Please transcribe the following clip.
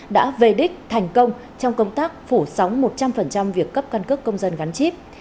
đã về đích thành công trong công tác phủ sóng một trăm linh việc cấp căn cước công dân gắn chip